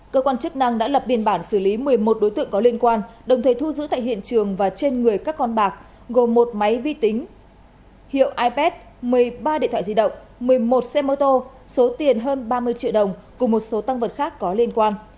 cơ quan chức năng đã lập biên bản xử lý một mươi một đối tượng có liên quan đồng thời thu giữ tại hiện trường và trên người các con bạc gồm một máy vi tính hiệu ip một mươi ba điện thoại di động một mươi một xe mô tô số tiền hơn ba mươi triệu đồng cùng một số tăng vật khác có liên quan